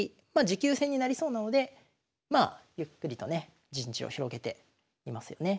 持久戦になりそうなのでまあゆっくりとね陣地を広げていますよね。